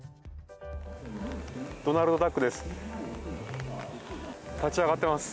ドナルドダックです。